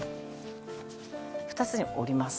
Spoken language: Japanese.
２つに折ります